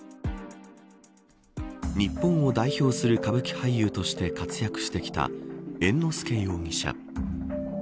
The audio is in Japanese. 日本を代表する歌舞伎俳優として活躍してきた猿之助容疑者。